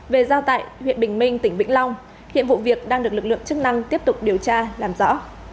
về giao tại huyện bình minh tỉnh vĩnh long hiện vụ việc đang được lực lượng chức năng tiếp tục điều tra làm rõ